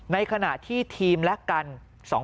ในขณะที่ทีมและกัน